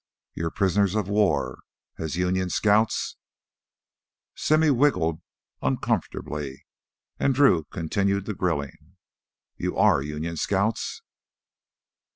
"You're prisoners of war. As Union scouts...." Simmy wriggled uncomfortably, and Drew continued the grilling. "You are Union scouts?"